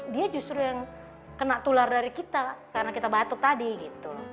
dia justru yang kena tular dari kita karena kita batuk tadi gitu